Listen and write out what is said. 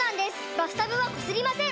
バスタブはこすりません！